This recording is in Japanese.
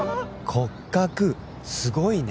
「骨格すごいね」？